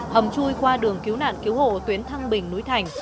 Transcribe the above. hầm chui qua đường cứu nạn cứu hộ tuyến thăng bình núi thành